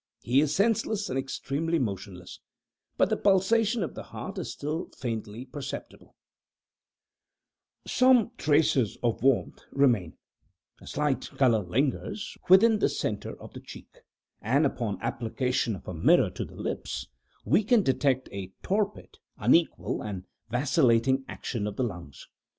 He is senseless and externally motionless; but the pulsation of the heart is still faintly perceptible; some traces of warmth remain; a slight color lingers within the centre of the cheek; and, upon application of a mirror to the lips, we can detect a torpid, unequal, and vacillating action of the lungs.